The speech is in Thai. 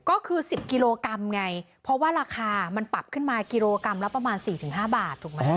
ก็คือ๑๐กิโลกรัมไงเพราะว่าราคามันปรับขึ้นมากิโลกรัมละประมาณ๔๕บาทถูกไหม